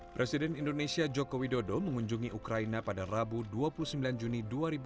presiden indonesia joko widodo mengunjungi ukraina pada rabu dua puluh sembilan juni dua ribu dua puluh